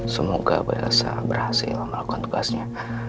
semoga berhasil melakukan tugasnya